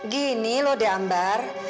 gini loh deambar